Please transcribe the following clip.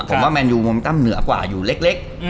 ผมว่าแมนยูมุมตั้มเหนือกว่าอยู่เล็ก